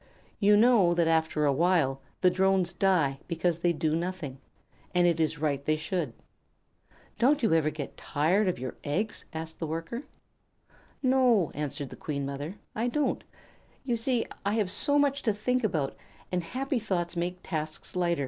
You know that after a while the Drones die because they do nothing, and it is right they should." "Don't you ever get tired of your eggs?" asked the Worker. "No," answered the Queen Mother, "I don't. You see, I have so much to think about, and happy thoughts make tasks light.